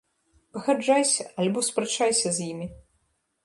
Пагаджайся альбо спрачайся з імі!